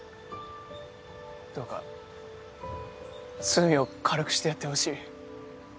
どうか罪を軽くしてやってほしい。